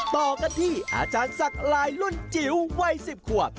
ต่อกันที่อาจารย์ศักดิ์ลายรุ่นจิ๋ววัย๑๐ขวบ